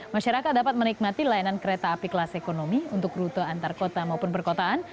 masyarakat dapat menikmati layanan kereta api kelas ekonomi untuk rute antar kota maupun perkotaan